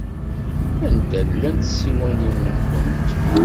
Anda llant tsiwanin-nwent?